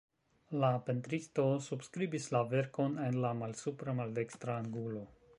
La pentristo subskribis la verkon en la malsupra maldekstra angulo.